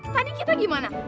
tadi kita gimana